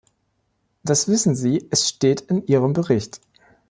Das wissen Sie, es steht in Ihrem Bericht!